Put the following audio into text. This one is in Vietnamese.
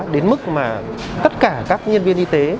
đến mức mà tất cả các nhân viên y tế